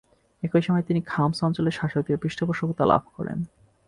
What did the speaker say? এইসময় তিনি খাম্স অঞ্চলের শাসকদের পৃষ্ঠপোষকতা লাভ করেন।